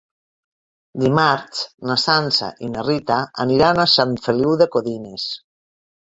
Dimarts na Sança i na Rita aniran a Sant Feliu de Codines.